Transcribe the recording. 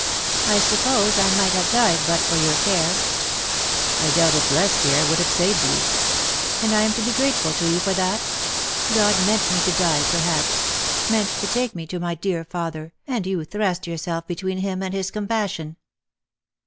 I suppose I might have died but for your care? "" I doubt if less care would have saved you." " And I am to be grateful to you for that ? God meant me to die, perhaps — meant to take me to my dear father, and you thrust yourself between Him and his compassion."